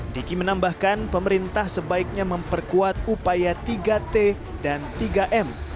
diki menambahkan pemerintah sebaiknya memperkuat upaya tiga t dan tiga m